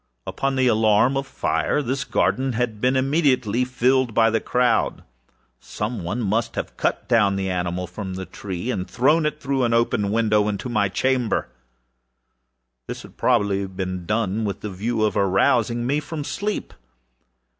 Upon the alarm of fire, this garden had been immediately filled by the crowdâby some one of whom the animal must have been cut from the tree and thrown, through an open window, into my chamber. This had probably been done with the view of arousing me from sleep.